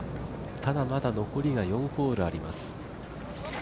ただまだ残りが４ホールあります。